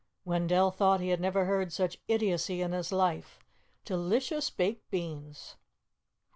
Wendell thought he had never heard such idiocy in his life. Delicious baked beans!